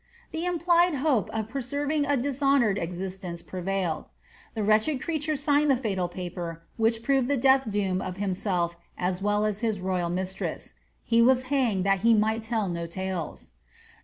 The implied hope of preserving a dishonoured existence prevailed. The wretched creature signed the fatal paper, whic)i proved the (!eath doom of himself as well u his royal mistress. He was hanged that he might tell no tales.